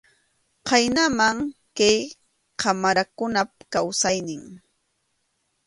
Khaynam kay qamarakunap kawsaynin.